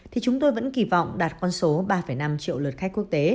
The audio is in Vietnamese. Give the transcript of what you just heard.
thì chúng tôi vẫn kỳ vọng đạt con số ba năm triệu lượt